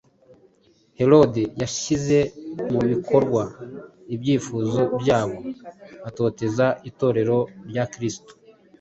Herode yashyize mu bikorwa ibyifuzo byabo atoteza Itorero rya Kristo.